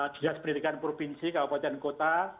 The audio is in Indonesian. dinas pendidikan provinsi kabupaten kota